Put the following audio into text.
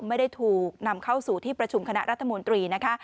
ไม่ได้ถูกนำเข้าสู่ที่ประชุมคณะรัฐมนตรีนะคะ